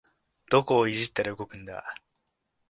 どこをいじったら動くんだ